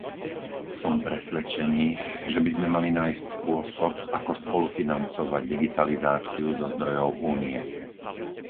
Som presvedčený, že by sme mali nájsť spôsob, ako spolufinancovať digitalizáciu zo zdrojov Únie.